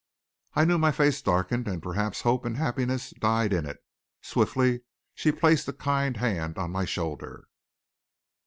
I knew my face darkened, and perhaps hope and happiness died in it. Swiftly she placed a kind hand on my shoulder.